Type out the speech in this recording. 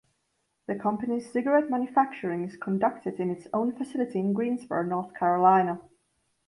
The company's cigarette manufacturing is conducted in its own facility in Greensboro, North Carolina.